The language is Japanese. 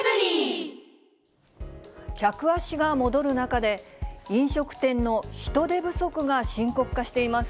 客足が戻る中で、飲食店の人手不足が深刻化しています。